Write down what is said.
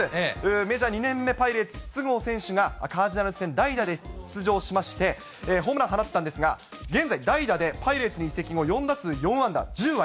メジャー２年目、パイレーツ、筒香選手が、カージナルス戦代打で出場しまして、ホームラン放ったんですが、現在、代打でパイレーツに移籍後４打数４安打１０割。